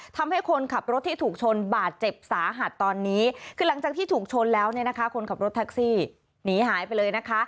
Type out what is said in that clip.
ทำให้คนขับรถที่ถูกชนบาดเจ็บสาหัสตอนนี้คือหลังจากที่ถูกชนแล้วเนี่ยนะคะคนขับรถแท็กซี่หนีหายไปเลยนะคะ